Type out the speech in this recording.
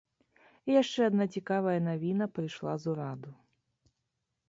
І яшчэ адна цікавая навіна прыйшла з ураду.